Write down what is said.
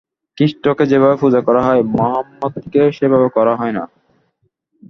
খ্রীষ্টকে যেভাবে পূজা করা হয়, মহম্মদকে সেইভাবে করা হয় না।